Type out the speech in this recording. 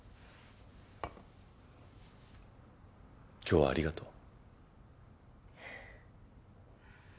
今日はありがとう。